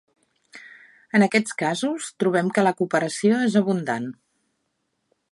En aquests casos, trobem que la cooperació és abundant.